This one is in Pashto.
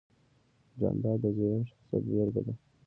جانداد د زرین شخصیت بېلګه ده.